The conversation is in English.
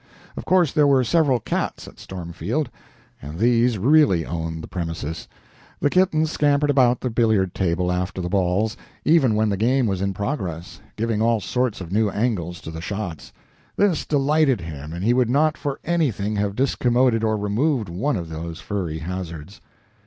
Of course there were several cats at Stormfield, and these really owned the premises. The kittens scampered about the billiard table after the balls, even when the game was in progress, giving all sorts of new angles to the shots. This delighted him, and he would not for anything have discommoded or removed one of those furry hazards.